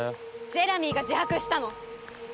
ジェラミーが自白したの。